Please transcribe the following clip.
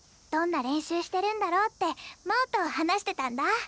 どんな練習してるんだろうって摩央と話してたんだ。